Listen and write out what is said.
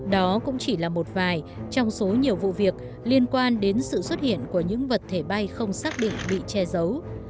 đó cũng chỉ là một vài trong số nhiều vụ việc liên quan đến sự xuất hiện của những vật thể bay không xác định bị che giấu